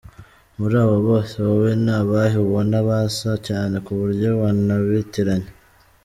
Muri aba bose wowe ni abahe ubona basa cyane kuburyo wanabitiranya?.